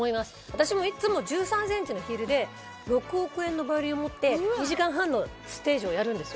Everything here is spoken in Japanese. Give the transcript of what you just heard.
私もいつも１３ｃｍのヒールで６億円のバイオリンを持って２時間半のステージをやるんです。